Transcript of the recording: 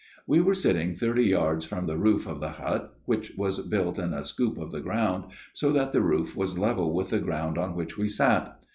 " We were sitting thirty yards from the roof of the hut which was built in a scoop of the ground, so that the roof was level with the ground on which we sat.